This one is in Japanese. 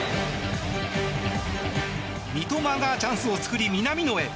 三笘がチャンスを作り南野へ。